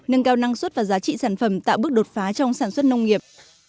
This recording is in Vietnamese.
nâng cao năng suất và giá trị sản phẩm tạo bước đột phá trong sản xuất nông nghiệp